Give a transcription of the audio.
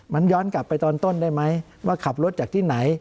มันย้อนกลับไปตอนต้นได้ไหมว่าขับรถจากที่ไหน